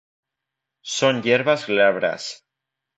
Son hierbas glabras.